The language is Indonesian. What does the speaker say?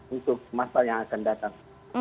itu masalah yang akan datang